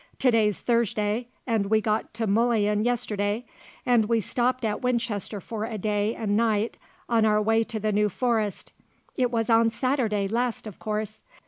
"To day's Thursday and we got to Mullion yesterday and we stopped at Winchester for a day and night on our way to the New Forest, it was on Saturday last of course.